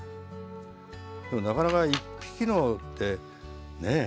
でもなかなか一匹のってねえ？